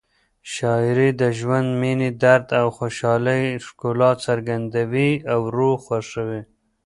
شاعري د ژوند، مینې، درد او خوشحالۍ ښکلا څرګندوي او روح خوښوي.